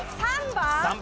３番。